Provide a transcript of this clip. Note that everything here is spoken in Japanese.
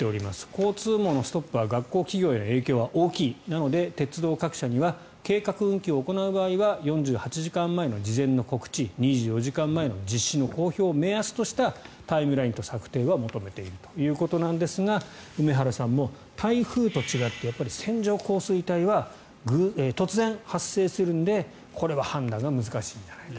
交通網のストップは学校・企業への影響が大きいなので、鉄道各社には計画運休を行う場合は４８時間前の事前の告知２４時間前の実施の公表を目安としたタイムラインの策定は求めているということですが梅原さんも台風と違って線状降水帯は突然発生するので、これは判断が難しいんじゃないか。